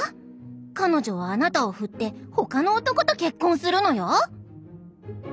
彼女はあなたをふって他の男と結婚するのよ！」。